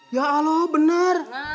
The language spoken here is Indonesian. ya aloh bener